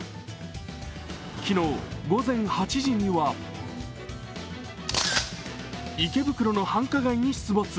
昨日、午前８時には、池袋の繁華街に出没。